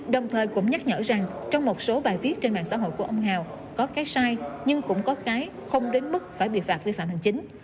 đồng thời cũng nhắc nhở rằng trong một số bài viết trên mạng xã hội của ông hào có cái sai nhưng cũng có cái không đến mức phải bị phạt vi phạm hành chính